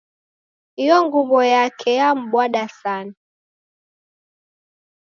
Iyo nguwo yake yambwada sana